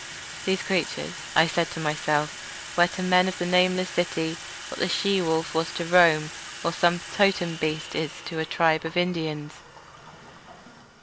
These creatures, I said to myself, were to the men of the nameless city what the she wolf was to Rome, or some totem beast is to a tribe of Indians.